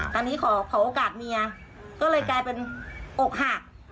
ตอนนี้ขอโอกาสเมียก็เลยกลายเป็นอกหัก